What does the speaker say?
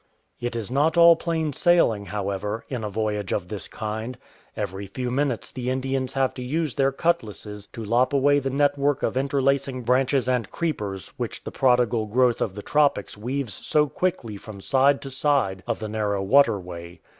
It is not all plain sailing, however, in a voyage of this kind. Every few minutes the Indians have to use their cutlasses to lop away the network of interlacing branches 231 DANGERS OF THE FORESTS and creepers which the prodigal growth of the tropics weaves so quickly from side to side of the narrow water way.